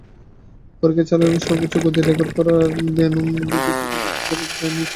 পরীক্ষামূলক চালনায় সর্বোচ্চ গতির রেকর্ড করার সময় ভেনম জিটির চালক ছিলেন ব্রায়ান স্মিথ।